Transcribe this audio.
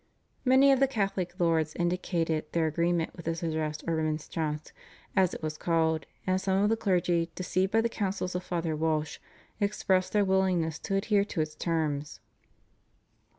Many of the Catholic lords indicated their agreement with this address or Remonstrance, as it was called, and some of the clergy, deceived by the counsels of Father Walsh, expressed their willingness to adhere to its terms.